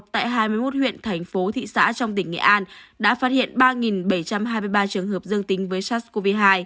tại hai mươi một huyện thành phố thị xã trong tỉnh nghệ an đã phát hiện ba bảy trăm hai mươi ba trường hợp dương tính với sars cov hai